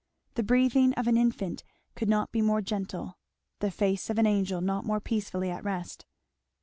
The breathing of an infant could not be more gentle; the face of an angel not more peacefully at rest.